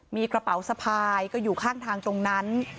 มีกระเป๋าสะพายก็อยู่ข้างทางตรงนั้น